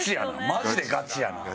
マジでガチやな。